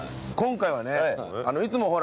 今回はね。